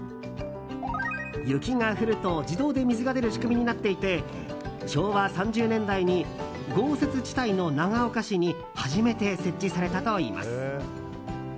雪が降ると自動で水が出る仕組みになっていて昭和３０年代に豪雪地帯の長岡市に初めて設置されたといいます。